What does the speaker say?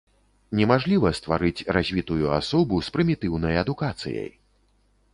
Немажліва стварыць развітую асобу з прымітыўнай адукацыяй!